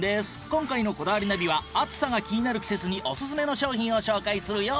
今回の『こだわりナビ』は暑さが気になる季節におすすめの商品を紹介するよ。